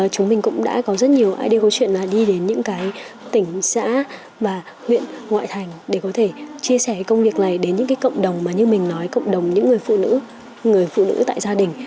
chúng mình cũng đã có rất nhiều idea có chuyện là đi đến những cái tỉnh xã và huyện ngoại thành để có thể chia sẻ công việc này đến những cái cộng đồng mà như mình nói cộng đồng những người phụ nữ người phụ nữ tại gia đình